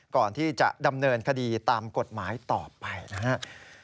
ก่อนที่จะดำเนินคดีตามกฎหมายต่อไปนะครับ